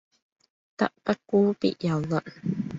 德不孤必有鄰